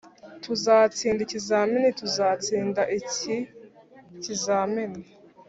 tuzatsinda ikizamini tuzatsinda iki’ ikizamini